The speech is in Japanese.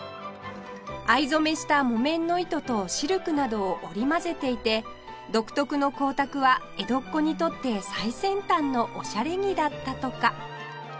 藍染めした木綿の糸とシルクなどを織り交ぜていて独特の光沢は江戸っ子にとって最先端のおしゃれ着だったとか